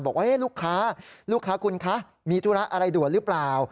บอกว่าลูกค้าลูกค้าคุณคะมีธุระอะไรด่วนหรือเปล่า